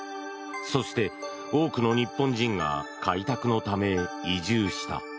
そして多くの日本人が開拓のため移住した。